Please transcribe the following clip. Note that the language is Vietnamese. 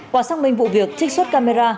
quả xác minh vụ việc trích xuất camera